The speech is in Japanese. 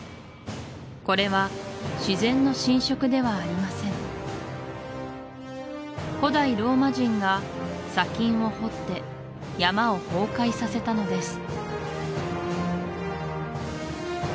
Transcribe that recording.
これは自然の浸食ではありません古代ローマ人が砂金を掘って山を崩壊させたのです